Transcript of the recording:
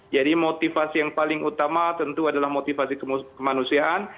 jadi motivasi yang paling utama tentu adalah motivasi kemanusiaan